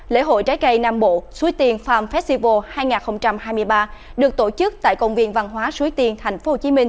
lễ hội trái cây nam bộ suối tiền farm festival hai nghìn hai mươi ba được tổ chức tại công viên văn hóa suối tiên tp hcm